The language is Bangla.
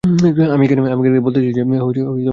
আমি এখানে বলতে এসেছি যে আমরা ঠিক আছি।